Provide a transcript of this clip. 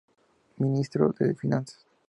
Ministro de Finanzas.